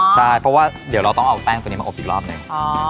ใช่เพราะว่าเดี๋ยวเราต้องเอาแป้งตัวนี้มาอบอีกรอบหนึ่ง